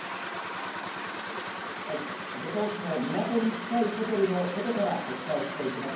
五島市の港に近いホテルの外からお伝えしていきます。